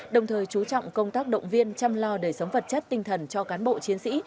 đồng thời chú trọng công tác động viên chăm lo đời sống vật chất tinh thần cho cán bộ chiến sĩ